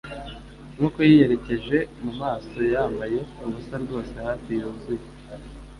nkuko yiyerekeje mumaso yambaye ubusa rwose hafi yuzuye